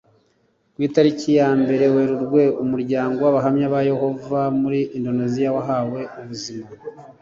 Ku itariki yambere Werurwe umuryango w Abahamya ba Yehova muri Indoneziya wahawe ubuzima